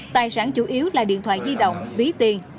tài sản chủ yếu là điện thoại di động ví tiền